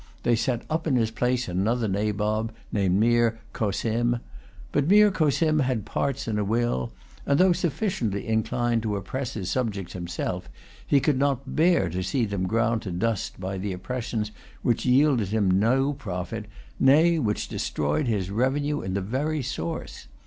They set up in his place another Nabob, named Meer Cossim. But Meer Cossim had parts and a will; and, though sufficiently inclined to oppress his subjects himself, he could not bear to see them ground to the dust by oppressions which yielded him no profit, nay, which destroyed his revenue in the very source.